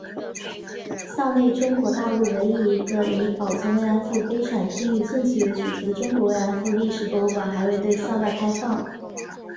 校内中国大陆唯一一个以保存“慰安妇”悲惨境遇证据为主题的中国“慰安妇”历史博物馆还未对校外开放。